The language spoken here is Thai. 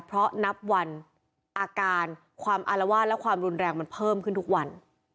เพราะนับวันอาการความอารวาสและความรุนแรงมันเพิ่มขึ้นทุกวัน